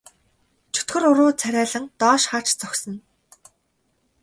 Чөтгөр уруу царайлан доош харж зогсоно.